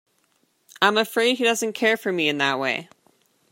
I'm afraid he doesn't care for me in that way.